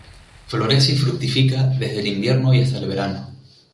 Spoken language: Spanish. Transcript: Florece y fructifica desde el invierno y hasta el verano.